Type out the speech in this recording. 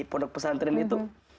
pondok pesantren itu